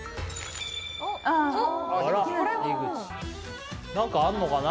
あらなんかあるのかな？